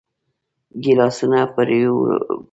ګيلاسونه پرېولي.